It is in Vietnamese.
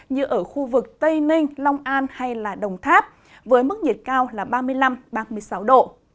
như ở khu vực tây ninh long an hay đồng tháp với mức nhiệt cao là ba mươi năm ba mươi sáu độ